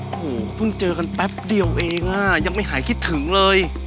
โอ้โหเพิ่งเจอกันแป๊บเดียวเองอ่ะยังไม่หายคิดถึงเลย